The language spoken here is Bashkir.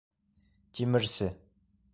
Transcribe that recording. Тимерсе.